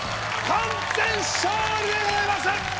完全勝利でございます！